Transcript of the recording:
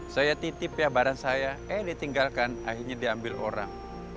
saya titip ya barang saya eh ditinggalkan akhirnya diambil orang